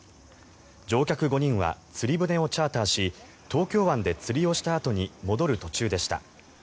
乗客５人は釣り船をチャーターし東京湾で釣りをしたあとに戻る途中でした。